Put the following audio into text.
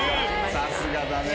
さすがだね。